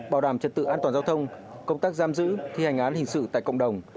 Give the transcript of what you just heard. bảo đảm trật tự an toàn giao thông công tác giam giữ thi hành án hình sự tại cộng đồng